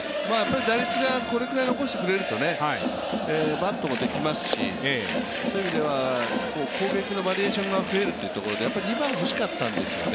打率がこれくらい残してくれるとバントもできますしそういう意味では、攻撃のバリエーションが増えるという意味では２番が欲しかったんですよね。